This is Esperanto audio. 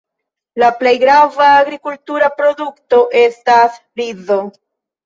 La plej grava agrikultura produkto estas rizo.